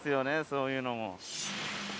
そういうのも。